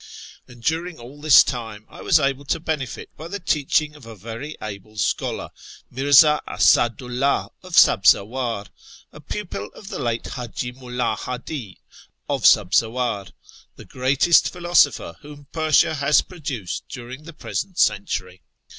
And during all this time I was able to benefit by the teaching of a very able scholar, Mirza Asadu 'llah of Sabzawar, a pupil of the late H;iji Mulla Hadi of Sabzawar, the greatest philosopher whom Persia has produced during the present century.